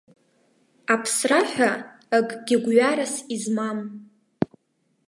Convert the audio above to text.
Аԥсра ҳәа акгьы гәҩарас измам.